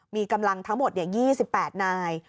มีกำลังทั้งหมด๒๘นาย